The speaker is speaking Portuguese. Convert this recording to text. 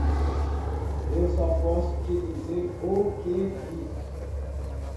Eu só posso te dizer o que vi.